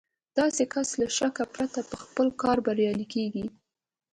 داسې کس له شکه پرته په خپل کار بريالی کېږي.